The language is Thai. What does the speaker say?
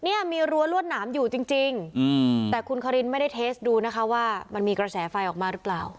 เนี่ยมีรั้วรวดหนามอยู่จริงแต่คุณคารินไม่ได้เทสดูนะคะว่ามันมีกระแสไฟออกมาหรือเปล่า